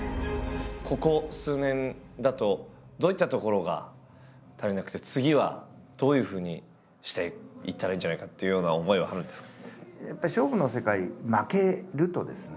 ここ数年だとどういったところが足りなくて次はどういうふうにしていったらいいんじゃないかというような思いはあるんですか？